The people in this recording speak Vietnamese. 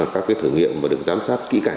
cái thử nghiệm mà được giám sát kỹ cả